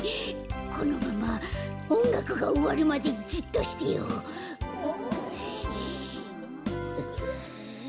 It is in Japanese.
このままおんがくがおわるまでじっとしてよう。